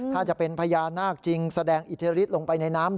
ถ้าจะเป็นพญานาคจริงแสดงอิทธิฤทธิลงไปในน้ำ